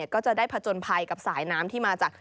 ก็จะได้ผจญภัยกับสายน้ำที่มาจาก